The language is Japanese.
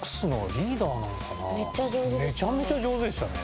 めっちゃ上手でしたね。